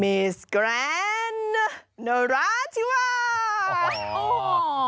มิสแกรนนาราธิวาส